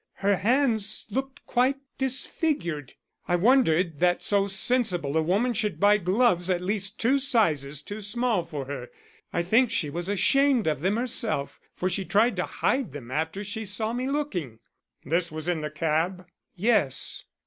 Her hands looked quite disfigured. I wondered that so sensible a woman should buy gloves at least two sizes too small for her. I think she was ashamed of them herself, for she tried to hide them after she saw me looking." "This was in the cab?" "Yes."